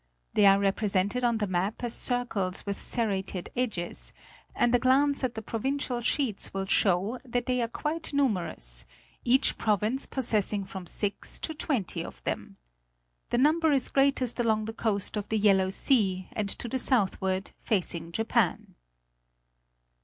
They are represented on the map as circles with serrated edges, and a glance at the provincial sheets will show that they are quite nu merous, each province possessing from six to twenty of them. The number is greatest along the coast of the Yellow Sea and to the southward, facing Japan.